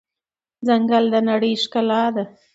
ځنګل د نړۍ ښکلا ده.